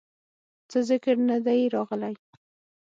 څۀ ذکر نۀ دے راغلے